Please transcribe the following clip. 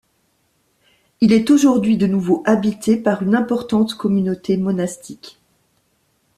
Il est aujourd’hui de nouveau habité par une importante communauté monastique.